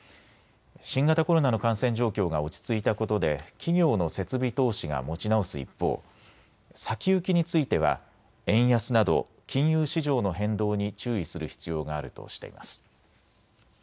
新型コロナの感染状況が落ち着いたことで企業の設備投資が持ち直す一方、先行きについては円安など金融市場の変動に注意する必要があるとしています。